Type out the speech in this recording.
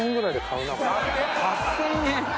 ８０００円！